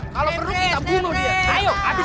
kalau perlu kita bunuh dia